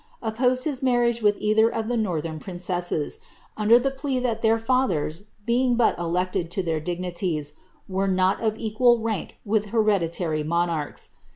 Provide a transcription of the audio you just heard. opposed :ii^ marriage with either of the uorlhern princesses, under the plea thai iW;r fathers, being but elected to their diifiiiiies. were not of cipiJ rank "iiii hereditary nionarchs.'